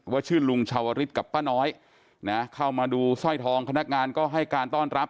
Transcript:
ชื่อลุงชาวริสกับป้าน้อยนะเข้ามาดูสร้อยทองพนักงานก็ให้การต้อนรับ